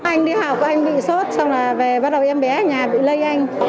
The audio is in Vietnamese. anh đi học của anh bị sốt xong là về bắt đầu em bé ở nhà bị lây anh